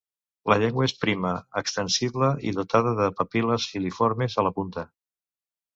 La llengua és prima, extensible i dotada de papil·les filiformes a la punta.